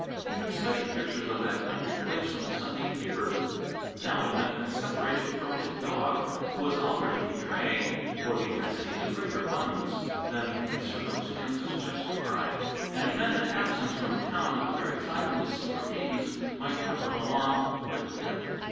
He had studied pictures of that country place in the Sunday papers. Now it meant a separation from his dog, who was already betraying for the Cassidys a greater fondness than the circumstances justified; and it meant an absence from town at the very time when the secret agents might happen along with It.